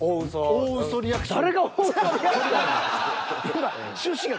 大嘘リアクション。